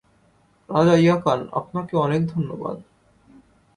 রাজা ইয়াকান, আপনাকে অনেক ধন্যবাদ।